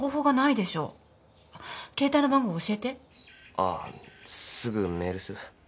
あっすぐメールする。